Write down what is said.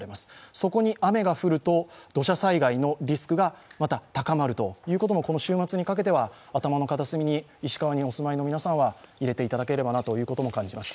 そこに雨が降ると土砂災害のリスクがまた高まることもこの週末にかけては頭の片隅に、石川にお住まいの皆さんは入れていただければなということも感じます。